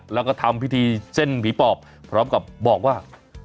แล้วก็ทำพิธีเส้นผีปอบพร้อมกับบอกว่า